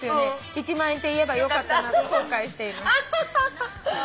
「１万円って言えばよかったなと後悔しています」